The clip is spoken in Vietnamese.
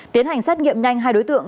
tiến hành xét nghiệm nhanh hai đối tượng